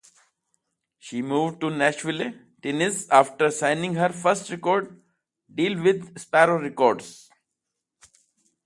She moved to Nashville, Tennessee after signing her first record deal with Sparrow Records.